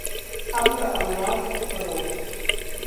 Амра ҟамлар ҭахароуп.